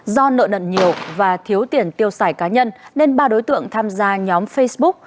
do nợ nận nhiều và thiếu tiền tiêu xài cá nhân nên ba đối tượng tham gia nhóm facebook